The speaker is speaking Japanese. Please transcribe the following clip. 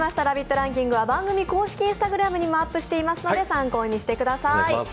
ランキングは番組公式インスタにもアップしていますので参考にしてください。